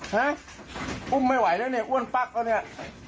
ฮะอุ้มไม่ไหวแล้วเนี่ยอ้วนปั๊กแล้วเนี่ย